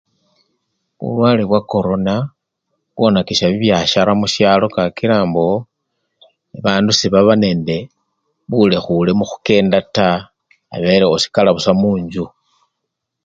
Bulwale bwa corona bwonakisha bibyasara mushalo kakila mbo bandu sebaba nende bulekhule mukhukenda taa, abele osikala busa munjju.